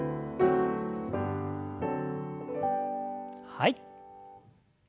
はい。